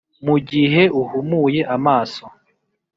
mugihe uhumuye amaso,